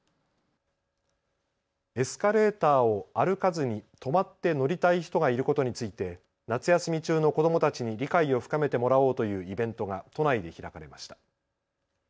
エスカレーターを歩かずに止まって乗りたい人がいることについて夏休み中の子どもたちに理解を深めてもらおうというイベントが都内で開かれました。